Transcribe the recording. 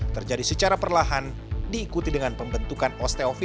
terjadi secara perlahan diikuti dengan pembentukan osteofi